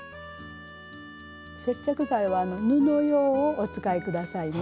接着剤は布用をお使い下さいね。